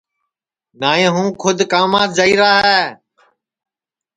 نائی ہوں کُھد کاماس جائیرا ہے